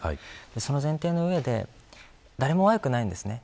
その前提の上で誰も悪くないんですね。